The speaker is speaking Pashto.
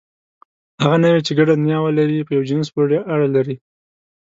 هغه نوعې، چې ګډه نیا ولري، په یوه جنس پورې اړه لري.